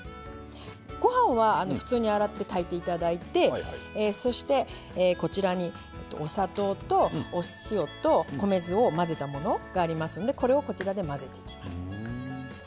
ご飯は普通に洗って炊いていただいてそしてこちらにお砂糖とお塩と米酢を混ぜたものがありますんでこれをこちらで混ぜていきます。